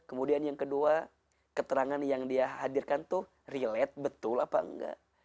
kemudian yang kedua keterangan yang dia hadirkan tuh relate betul apa enggak